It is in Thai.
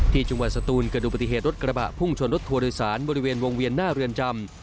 จังหวัดสตูนเกิดดูปฏิเหตุรถกระบะพุ่งชนรถทัวร์โดยสารบริเวณวงเวียนหน้าเรือนจำ